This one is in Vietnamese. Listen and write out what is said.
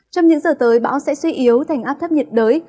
trong những giờ tới bão sẽ suy yếu thành áp thấp nhiệt đới